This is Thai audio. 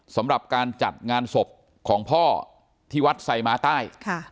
สำหรับการจัดงานศพของพ่อที่วัดไซม้าใต้